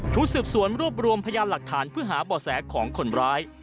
ชุดสืบสวนรวบรวมพยานหลักฐานเพื่อหาบ่อแสของคนร้าย